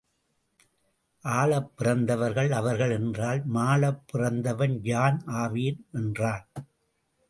ஆளப் பிறந்தவர்கள் அவர்கள் என்றால் மாளப் பிறந்தவன் யான் ஆவேன் என்றான்.